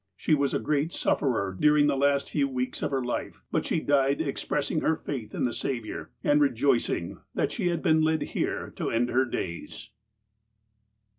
She was a great sufferer during the last few weeks of her life, but she died expressing her faith in the Saviour, and rejoicing that she had been led here to end her days."